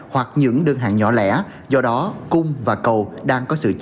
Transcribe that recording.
hoặc những đơn hàng nhỏ lẻ do đó cung và